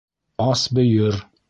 Ас бөйөр!